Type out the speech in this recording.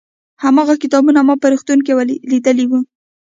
هماغه کتابونه ما په روغتون کې لیدلي وو.